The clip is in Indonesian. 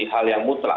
hal yang mutlak